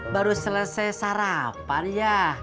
baru selesai sarapan ya